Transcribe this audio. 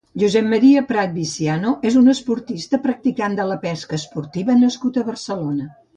Josep Maria Prat Viciano és un esportista practicant de la pesca esportiva nascut a Barcelona.